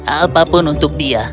apapun untuk dia